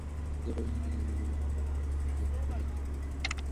তবে কিছু রক্ষণশীল নারী-পুরুষকে বেলুচের আত্মপ্রচারের কঠোর সমালোচনা করতে দেখা যায়।